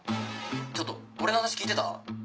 ちょっと俺の話聞いてた？